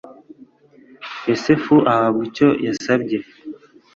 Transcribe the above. Yosefu ahabwa icyo yasabye.